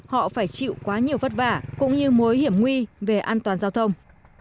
họ phải chịu quá nhiều vất vả cũng như mối hiểm nguy về an toàn giao thông